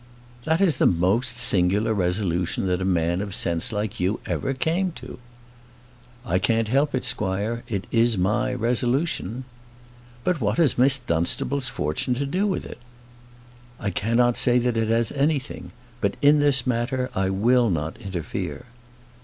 "That is the most singular resolution that a man of sense like you ever came to." "I can't help it, squire; it is my resolution." "But what has Miss Dunstable's fortune to do with it?" "I cannot say that it has anything; but, in this matter, I will not interfere."